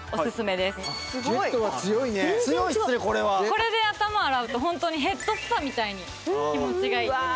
これで頭洗うとホントにヘッドスパみたいに気持ちがいいです。